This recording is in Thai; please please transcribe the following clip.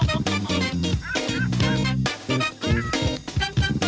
กูตบด้วยกูตบลงก่อน